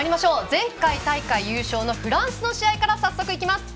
前回、優勝のフランスの試合から早速、いきます。